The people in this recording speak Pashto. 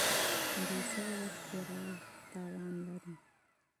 بې ځایه وخت تېرول تاوان لري.